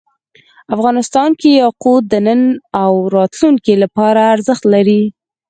افغانستان کې یاقوت د نن او راتلونکي لپاره ارزښت لري.